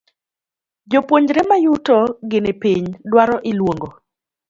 Jopuonjre mayuto gi ni piny dwaro iluongo